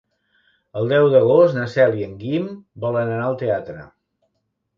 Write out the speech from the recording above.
El deu d'agost na Cel i en Guim volen anar al teatre.